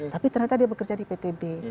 tapi ternyata dia bekerja di ptd